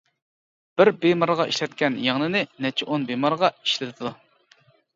بىر بىمارغا ئىشلەتكەن يىڭنىنى نەچچە ئون بىمارغا ئىشلىتىدۇ.